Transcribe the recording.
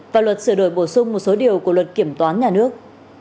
và luật sửa đổi bổ sung một số điều của luật kiểm toán nhà nước